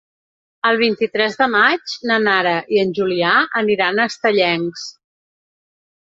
El vint-i-tres de maig na Nara i en Julià aniran a Estellencs.